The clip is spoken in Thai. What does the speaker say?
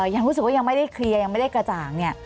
ยังรู้สึกว่ายังไม่ได้เคลียร์ยังไม่ได้กระจ่างเนี่ย